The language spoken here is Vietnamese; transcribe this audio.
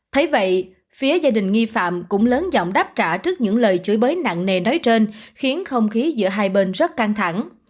thấy vậy phía gia đình nghi phạm cũng lớn dọng đáp trả trước những lời chửi bới nặng nề nói trên khiến không khí giữa hai bên rất căng thẳng